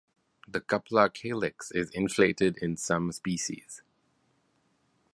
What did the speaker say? The cupular calyx is inflated in some species.